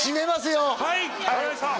はい分かりました！